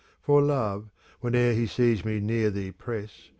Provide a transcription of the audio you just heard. For Love, whene'er he sees me near thee press.